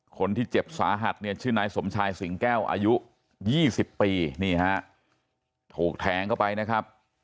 คนที่เจ็บสาหัสชื่อนายสมชายสิงแก้วอายุ๒๐ปีถูกแทงเข้าไปนะฮะ